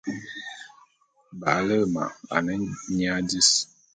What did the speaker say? Ba’ale’e ma ane nyia dis.